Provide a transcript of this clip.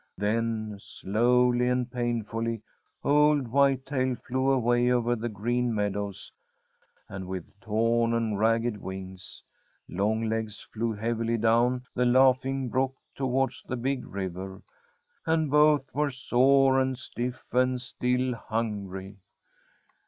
Then, slowly and painfully, old Whitetail flew away over the Green Meadows, and with torn and ragged wings, Longlegs flew heavily down the Laughing Brook towards the Big River, and both were sore and stiff and still hungry.